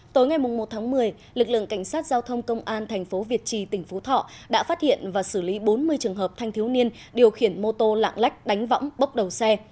tối ngày một tháng một mươi lực lượng cảnh sát giao thông công an thành phố việt trì tỉnh phú thọ đã phát hiện và xử lý bốn mươi trường hợp thanh thiếu niên điều khiển mô tô lạng lách đánh võng bốc đầu xe